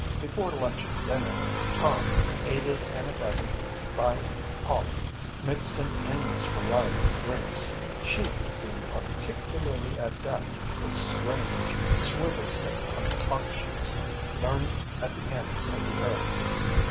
Before lunch and dinner, Tom, aided and abetted by Polly, mixed an endless variety of drinks, she being particularly adept with strange swivel stick concoctions learned at the ends of the earth.